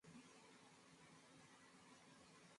kupoteza joto na madirisha yanayokinza hewa baridi